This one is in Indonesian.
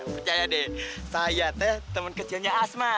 percaya deh saya teh temen kecilnya asma